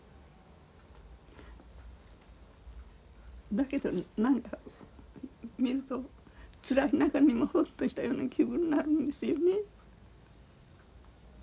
だけど何か見るとつらい中にもホッとしたような気分になるんですよね。